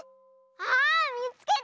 ああっみつけた！